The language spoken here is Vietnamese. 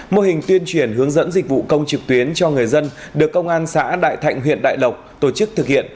mô hình tuyên truyền hướng dẫn dịch vụ công trực tuyến cho người dân được công an xã đại thạnh huyện đại lộc tổ chức thực hiện